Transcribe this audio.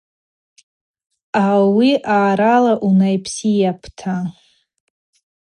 Ауи аъарала унапсыйапӏта.